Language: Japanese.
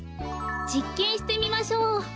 じっけんしてみましょう。